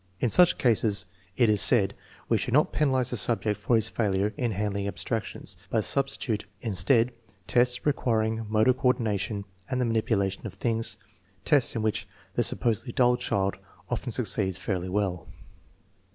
In such cases, it is said, we should not penalize the subject for his failures in handling abstractions, but substitute, instead, tests requiring motor coordination and the manipulation of things, tests in which the supposedly dull child often succeeds fairly well.